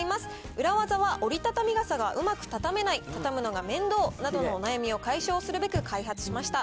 ウラワザは折りたたみ傘がうまく畳めない、畳むのが面倒などのお悩みを解消するべく開発しました。